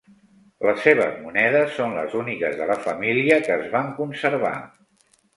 Les seves monedes són les úniques de la família que es van conservar.